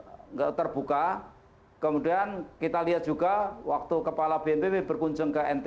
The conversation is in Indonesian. juga banyak yang tidak terbuka kemudian kita lihat juga waktu kepala bnpb berkunjung ke ntb sama ntt